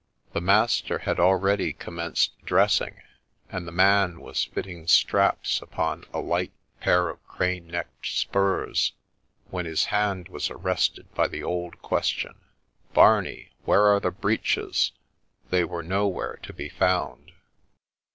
The master had already commenced dressing, and the man was fitting straps upon a light pair of crane necked spurs, when his hand was arrested by the old question, —' Barney, where are the breeches ?' They were nowhere to be found